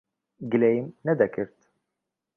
گلەییم نەدەکرد.